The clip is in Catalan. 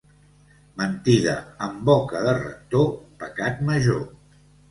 Mentida en boca de rector, pecat major.